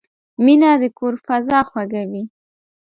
مینه د کور فضا خوږوي.